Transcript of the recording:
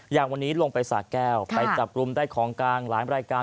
อย่างวันนี้ลงไปสาแก้วไปจับกลุ่มได้ของกลางหลายรายการ